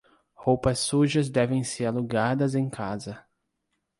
Roupas sujas devem ser alugadas em casa.